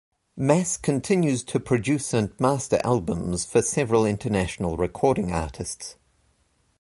Mass continues to produce and master albums for several international recording artists.